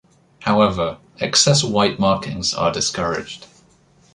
However, excess white markings are discouraged.